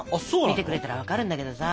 見てくれたら分かるんだけどさ。